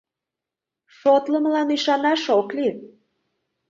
— Шотлымылан ӱшанаш ок лий.